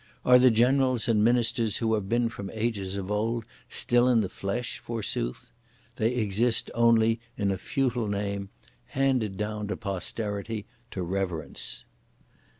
Are the generals and ministers who have been from ages of old still in the flesh, forsooth? They exist only in a futile name handed down to posterity to reverence!